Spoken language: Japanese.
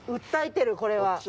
訴えてるこれは。